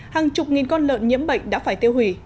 hàng chục nghìn con lợn nhiễm bệnh đã phải tiêu hủy